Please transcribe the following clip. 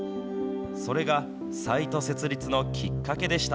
それがサイト設立のきっかけでした。